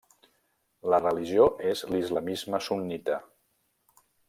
La religió és l'islamisme sunnita.